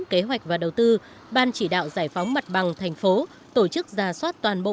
kế hoạch và đầu tư ban chỉ đạo giải phóng mặt bằng thành phố tổ chức ra soát toàn bộ